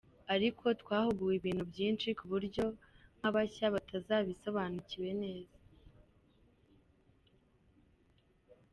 Ariko twahuguwe ibintu byinshi ku buryo nk’abashya batabisobanukiwe neza.